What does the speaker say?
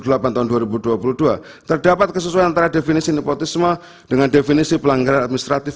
delapan tahun dua ribu dua puluh dua terdapat kesesuaian antara definisi nepotisme dengan definisi pelanggaran administratif